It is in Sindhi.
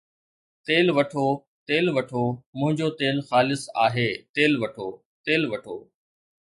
تيل وٺو، تيل وٺو، منهنجو تيل خالص آهي، تيل وٺو، تيل وٺو